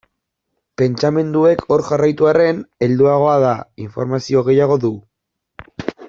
Pentsamenduek hor jarraitu arren, helduagoa da, informazio gehiago du.